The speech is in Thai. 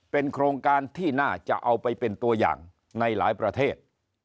เป็นโครงการที่น่าจะเอาไปเป็นตัวอย่างในหลายประเทศ